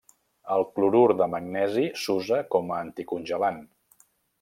El clorur de magnesi s'usa com a anticongelant.